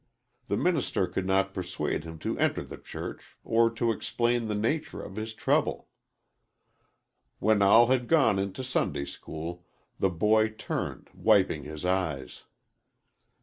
The minister could not persuade him to enter the church or to explain the nature of his trouble. When all had gone into Sunday school, the boy turned, wiping his eyes.